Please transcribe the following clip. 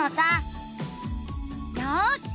よし！